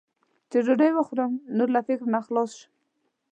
چې ډوډۍ وخورم، نور له فکر نه خلاص شم.